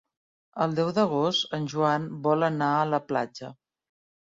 El deu d'agost en Joan vol anar a la platja.